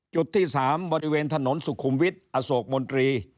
จุดที่๓บริเวณถนนสุขุมวิทย์อโศกมนตรี